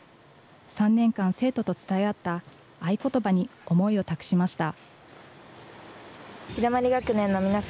３年間、生徒と伝え合った合言葉に思いを託しました。